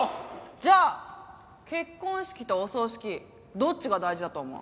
じゃあ結婚式とお葬式どっちが大事だと思う？